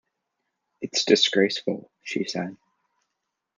"It's disgraceful," she said.